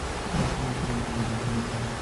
Nosotros no podemos vivir sin ella.